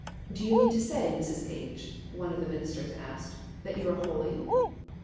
"Do you mean to say, Mrs. H——," one of the ministers asked, "that you are holy?"